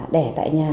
để tại nhà